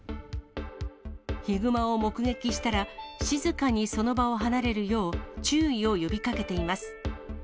ヒグマを目撃したら、静かにその場を離れるよう、注意を呼びかけています。